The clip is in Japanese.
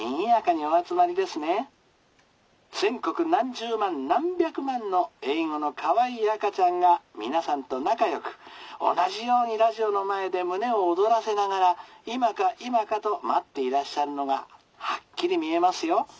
全国何十万何百万の英語のかわいい赤ちゃんが皆さんと仲よく同じようにラジオの前で胸を躍らせながら今か今かと待っていらっしゃるのがはっきり見えますよ。